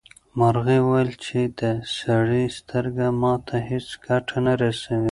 مرغۍ وویل چې د سړي سترګه ماته هیڅ ګټه نه رسوي.